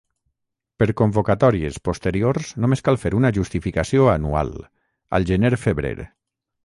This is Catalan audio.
Per convocatòries posteriors només cal fer una justificació anual, al gener-febrer.